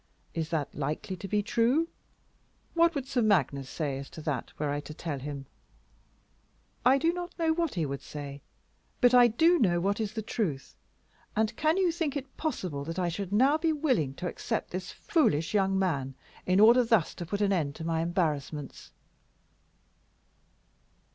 Is that likely to be true? What would Sir Magnus say as to that were I to tell him?" "I do not know what he would say, but I do know what is the truth. And can you think it possible that I should now be willing to accept this foolish young man in order thus to put an end to my embarrassments?"